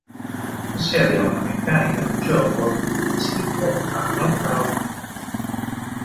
Possiede una meccanica di gioco simile a "Knockout Kings".